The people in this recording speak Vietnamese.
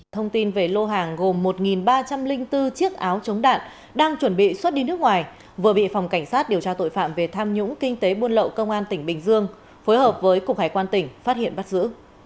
thông tin về lô hàng gồm một ba trăm linh bốn chiếc áo chống đạn đang chuẩn bị xuất đi nước ngoài vừa bị phòng cảnh sát điều tra tội phạm về tham nhũng kinh tế buôn lậu công an tỉnh bình dương phối hợp với cục hải quan tỉnh phát hiện bắt giữ